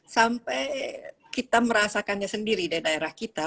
sampai kita merasakannya sendiri di daerah kita